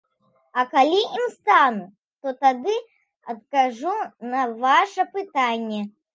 А калі ім стану, то тады адкажу на ваша пытанне.